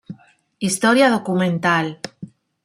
Historia documental".